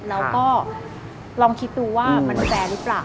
แล้วก็ลองคิดดูว่ามันแฟร์หรือเปล่า